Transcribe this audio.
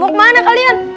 beluk mana kalian